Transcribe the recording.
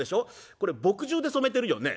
これ墨汁で染めてるよね？